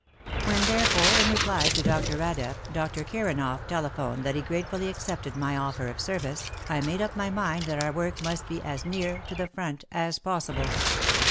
When, therefore, in reply to Dr. Radeff, Dr. Kiranoff telephoned that he gratefully accepted my offer of service, I made up my mind that our work must be as near to the front as possible.